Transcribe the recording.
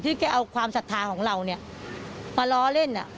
แกเอาความศรัทธาของเราเนี่ยมาล้อเล่น